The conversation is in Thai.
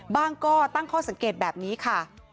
บ้างก็ตั้งข้อสังเกตแบบนี้ค่ะ